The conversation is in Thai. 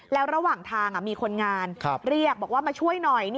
แล้วระหว่างทางมีคนงานเรียกบอกว่ามาช่วยหน่อย